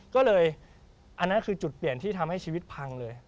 ก็เลยอันนั้นคือจุดเปลี่ยนที่ทำให้ชีวิตพังเลย